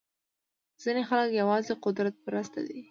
ځینې خلک یوازې قدرت پرسته دي.